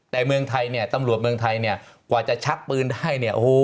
แต่ตำรวจเมืองไทยกว่าจะชักปืนได้